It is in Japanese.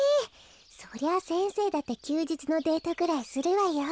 そりゃ先生だってきゅうじつのデートぐらいするわよ。